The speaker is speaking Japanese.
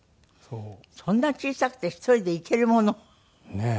そんな小さくて１人で行けるもの？ねえ。